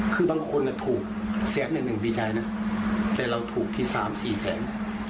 คือบางคนถูกแสนหนึ่งดีใจนะแต่เราถูกที่สามสี่แสน